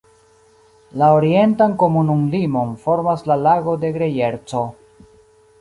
La orientan komunumlimon formas la Lago de Grejerco.